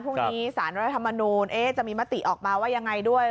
พรุ่งนี้สารรัฐธรรมนูลจะมีมติออกมาว่ายังไงด้วย